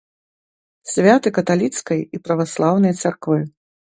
Святы каталіцкай і праваслаўнай царквы.